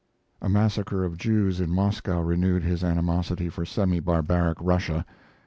A massacre of Jews in Moscow renewed his animosity for semi barbaric Russia.